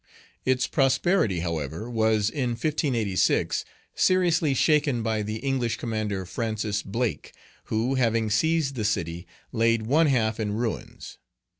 Its prosperity, however, was, in 1586, seriously shaken by the English commander, Francis Blake, who, having seized the city, laid one half in ruins.